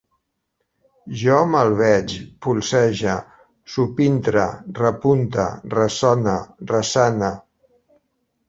Jo malveig, polzege, subintre, repunte, ressone, ressane